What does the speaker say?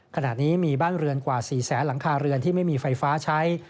ขณะนี้มีบ้านเรือนกว่า๔แสนหลังคาเรือนที่ไม่มีไฟฟ้าใช้